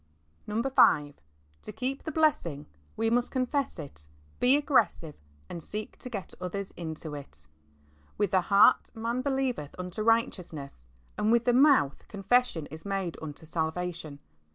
V. To keep the blessings we must confess it^ be aggressive^ and seek to get others into it, " With the heart man believeth unto righteousness, and with the mouth confession is made unto salvation."